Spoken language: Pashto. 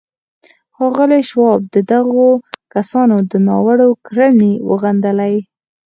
ښاغلي شواب د دغو کسانو دا ناوړه کړنې وغندلې.